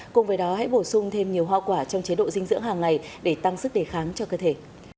cùng với đó hãy bổ sung thêm nhiều hoa quả trong chế độ dinh dưỡng hàng ngày để tăng sức đề kháng cho cơ thể